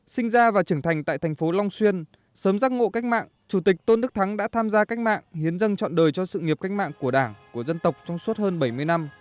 sinh ra và trưởng thành tại thành phố long xuyên sớm giác ngộ cách mạng chủ tịch tôn đức thắng đã tham gia cách mạng hiến dân chọn đời cho sự nghiệp cách mạng của đảng của dân tộc trong suốt hơn bảy mươi năm